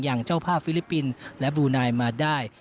อย่างเจ้าภาพฟิลิปปินส์และบลูนายมาได้